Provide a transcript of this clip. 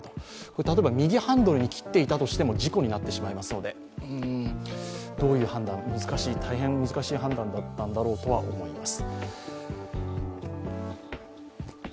例えば右ハンドルに切っていたとしても事故になってしまいますので大変難しい判断だったろうとは思います。